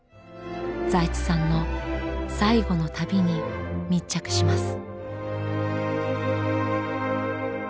財津さんの最後の旅に密着します。